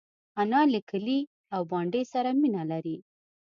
انا له کلي او بانډې سره مینه لري